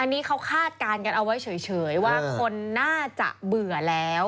อันนี้เขาคาดการณ์กันเอาไว้เฉยว่าคนน่าจะเบื่อแล้ว